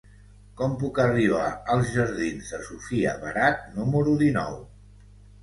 Com puc arribar als jardins de Sofia Barat número dinou?